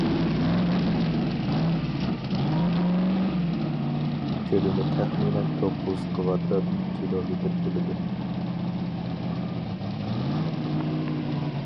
كۆلىمى تەخمىنەن توققۇز كىۋادرات كىلومېتىر كېلىدۇ.